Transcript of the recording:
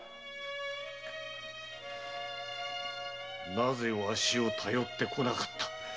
なぜわしを頼ってこなかった。